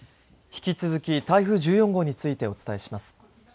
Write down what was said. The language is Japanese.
引き続き、台風１４号についてお伝えします。